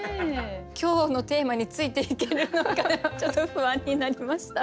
今日のテーマについていけるのかちょっと不安になりました。